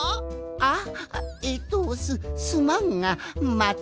あえっとすすまんがまたでのな。